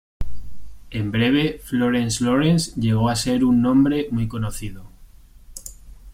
En breve, Florence Lawrence llegó a ser un nombre muy conocido.